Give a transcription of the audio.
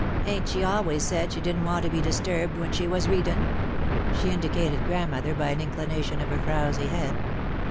"Ain't she always said she didn't want to be disturbed when she was readin'?" She indicated Grandmother by an inclination of her frowsy head.